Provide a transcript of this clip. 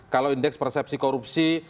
kalau indeks persepsi korupsi